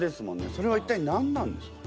それは一体何なんですか？